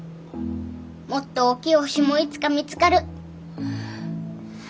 もっとおっきい星もいつか見つかる。